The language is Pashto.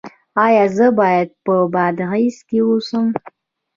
ایا زه باید په بادغیس کې اوسم؟